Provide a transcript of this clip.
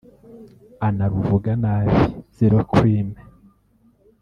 anaruvuga nabi (zero clime)